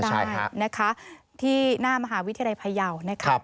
ได้นะคะที่หน้ามหาวิทยาลัยพยาวนะครับ